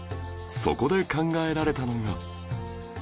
そこで考えられたのが